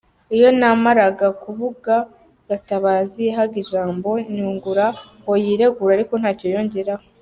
Iyo namaraga kuvuga Gatabazi yahaga ijambo Nyungura ngo yiregure ariko ntacyo yongeraho.